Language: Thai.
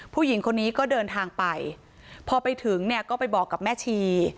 ผู้หญิงคนนี้ก็เดินทางไปพอไปถึงเนี่ยก็ไปบอกกับแม่ชี